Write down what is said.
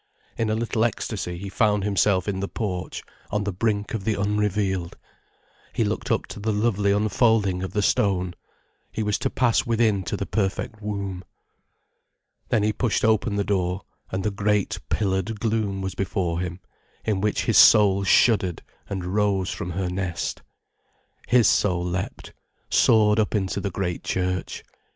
In a little ecstasy he found himself in the porch, on the brink of the unrevealed. He looked up to the lovely unfolding of the stone. He was to pass within to the perfect womb. Then he pushed open the door, and the great, pillared gloom was before him, in which his soul shuddered and rose from her nest. His soul leapt, soared up into the great church.